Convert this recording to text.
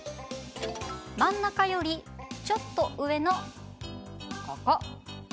真ん中よりちょっと上の、ここ。